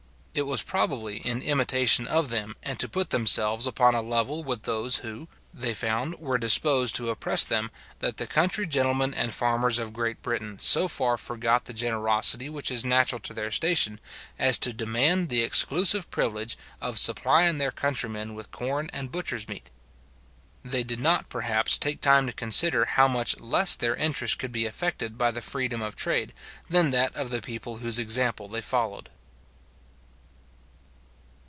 It was probably in imitation of them, and to put themselves upon a level with those who, they found, were disposed to oppress them, that the country gentlemen and farmers of Great Britain so far forgot the generosity which is natural to their station, as to demand the exclusive privilege of supplying their countrymen with corn and butcher's meat. They did not, perhaps, take time to consider how much less their interest could be affected by the freedom of trade, than that of the people whose example they followed.